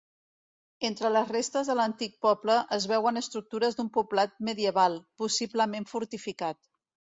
Entre les restes de l'antic poble es veuen estructures d'un poblat medieval, possiblement fortificat.